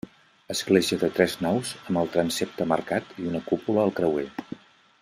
Església de tres naus amb el transsepte marcat i una cúpula al creuer.